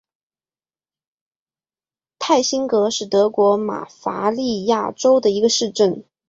泰辛格是德国巴伐利亚州的一个市镇。